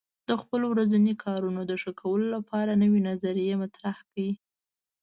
د خپلو ورځنیو کارونو د ښه کولو لپاره نوې نظریې مطرح کړئ.